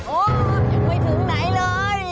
โอ๊ปโอ๊ปยังไม่ถึงไหนเลย